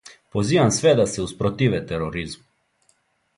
Позивам све да се успротиве тероризму.